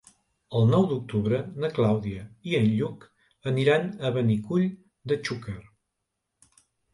El nou d'octubre na Clàudia i en Lluc aniran a Benicull de Xúquer.